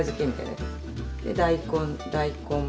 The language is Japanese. で大根大根